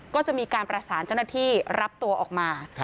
ก็จะมีการประสานเจ้าหน้าที่รับตัวออกมา